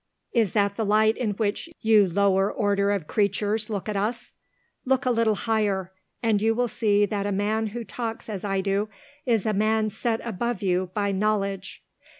Is that the light in which you lower order of creatures look at us? Look a little higher and you will see that a man who talks as I do is a man set above you by Knowledge.